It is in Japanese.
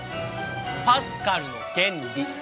パスカルの原理。